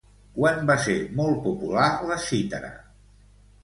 Quan va ser molt popular la cítara?